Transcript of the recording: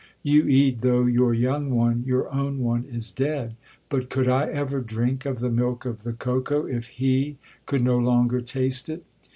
You eat, though your young one, your own one, is dead; but could I ever drink of the milk of the cocoa, if he could no longer taste it?